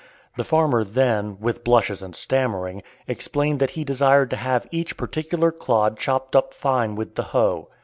The farmer then, with blushes and stammering, explained that he desired to have each particular clod chopped up fine with the hoe.